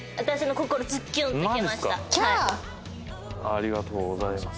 ありがとうございます。